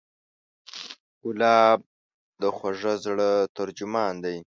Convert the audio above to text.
ګلاب د خوږه زړه ترجمان دی.